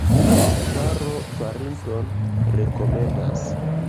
Faro farinton rekomendas.